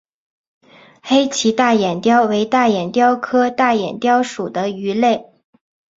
黑鳍大眼鲷为大眼鲷科大眼鲷属的鱼类。